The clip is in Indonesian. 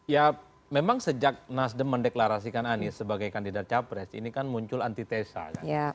ya memang sejak nasdem mendeklarasikan anies sebagai kandidat capres ini kan muncul antitesa kan